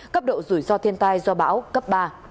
cấp độ rủi ro thiên tai do bão cấp ba